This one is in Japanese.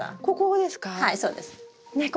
ここをですか？